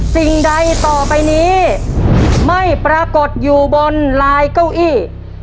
สิ่งใดต่อไปนี้ไม่ปรากฏอยู่บนลายเก้าอี้